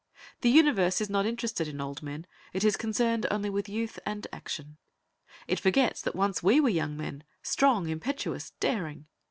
The Universe is not interested in old men; it is concerned only with youth and action. It forgets that once we were young men, strong, impetuous, daring.